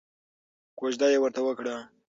کوژده یې ورته وکړه.